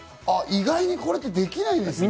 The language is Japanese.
意外にこれってできないんですね。